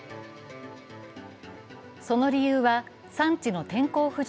その理由は産地の天候不順。